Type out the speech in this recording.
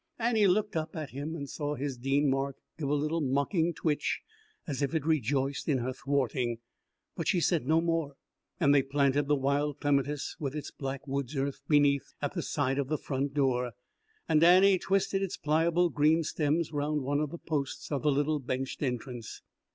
Annie looked up at him and saw his Dean mark give a little mocking twitch as if it rejoiced in her thwarting. But she said no more; and they planted the wild clematis with its black woods earth beneath at the side of the front door, and Annie twisted its pliable green stems round one of the posts of the little benched entrance.